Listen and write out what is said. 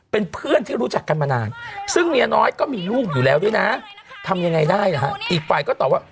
เป็นเพื่อนที่รู้จักกันมานานซึ่งเมียน้อยก็มีลูกอยู่แล้วด้วยนะทำยังไงได้นะฮะอีกฝ่ายก็ตอบว่า